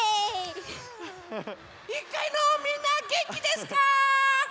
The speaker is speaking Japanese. １かいのみんなげんきですか？